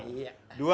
dua dua dan dua dua